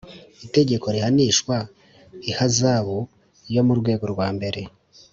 itegeko rihanishwa ihazabu yo mu rwego rwa mbere